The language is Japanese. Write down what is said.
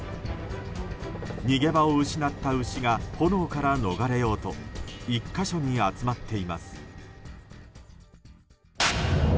逃げ場を失った牛が炎から逃れようと１か所に集まっています。